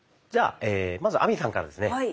じゃあまず亜美さんからですね。